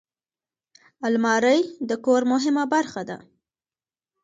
الماري د کور مهمه برخه ده